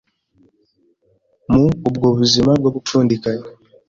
Mu ubwo buzima bwo gupfundikanya